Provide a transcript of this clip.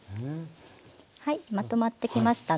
はいまとまってきましたので。